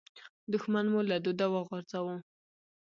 دوښمن مو له دوده وغورځاوو.